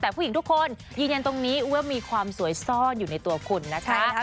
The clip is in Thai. แต่ผู้หญิงทุกคนยืนยันตรงนี้ว่ามีความสวยซ่อนอยู่ในตัวคุณนะคะ